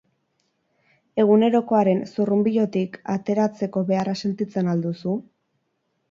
Egunerokoaren zurrunbilotik ateratzeko beharra sentitzen al duzu?